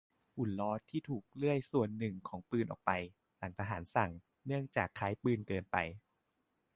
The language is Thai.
หุ่นล้อที่ถูกเลื่อยส่วนหนึ่งของปืนออกไป หลังทหารสั่ง เนื่องจากคล้ายปืนเกินไป